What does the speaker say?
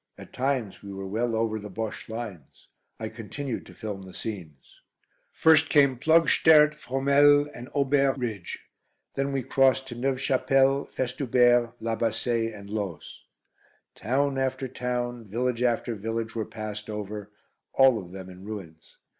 At times we were well over the Bosche lines. I continued to film the scenes. First came Ploegsteert, Fromelles, and Aubers Ridge. Then we crossed to Neuve Chapelle, Festubert, La Bassée and Loos. Town after town, village after village, were passed over, all of them in ruins.